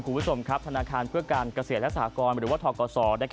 ผู้วิสมธนาคารเพื่อการเกษตรและสหกรณ์หรือว่าทกศ